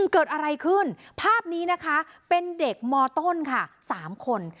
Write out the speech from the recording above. เกิดอะไรขึ้นภาพนี้นะคะเป็นเด็กมต้นค่ะ๓คน